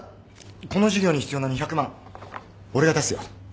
この事業に必要な２００万俺が出すよ。